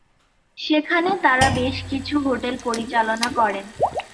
সেখানে তারা বেশকিছু হোটেল পরিচালনা করেন।